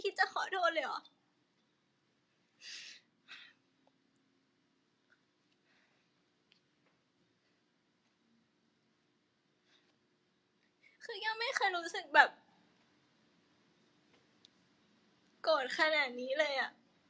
คือยังไม่เคยรู้สึกแบบโกรธขนาดนี้เลยอ่ะ